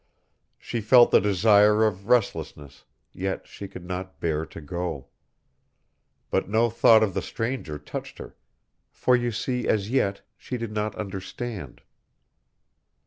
She felt the desire of restlessness; yet she could not bear to go. But no thought of the stranger touched her, for you see as yet she did not understand.